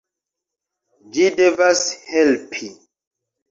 Ĝi devas helpi!